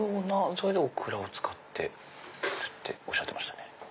それでオクラを使ってっておっしゃってましたね。